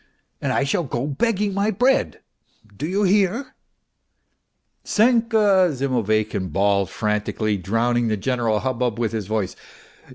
And I shall go begging my bread, do you hear ?"" Senka," Zimoveykin bawled frantically, drowning the general hubbub with his voice.